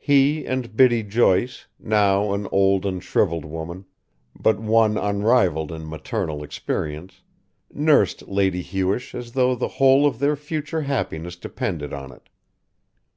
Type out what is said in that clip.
He and Biddy Joyce, now an old and shrivelled woman, but one unrivalled in maternal experience, nursed Lady Hewish as though the whole of their future happiness depended on it.